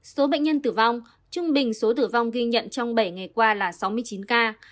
số bệnh nhân tử vong trung bình số tử vong ghi nhận trong bảy ngày qua là sáu mươi chín ca